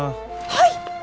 はい！